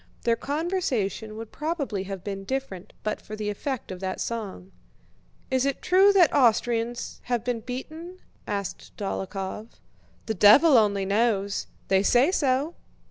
Their conversation would probably have been different but for the effect of that song. "Is it true that Austrians have been beaten?" asked Dólokhov. "The devil only knows! They say so."